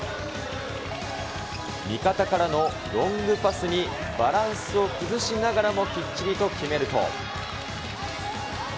味方からのロングパスにバランスを崩しながらもきっちりと決めると。